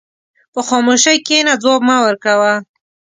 په خاموشۍ کښېنه، ځواب مه ورکوه.